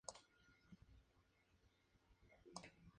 La producción les paga el boleto para llegar a Argentina.